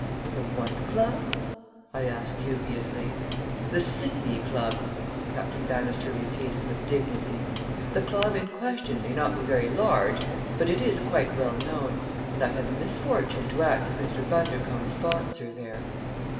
"The what club?" I asked dubiously. "The Sidney Club," Captain Bannister repeated, with dignity. "The club in question may not be very large, but it is quite well known, and I had the misfortune to act as Mr. Bundercombe's sponsor there."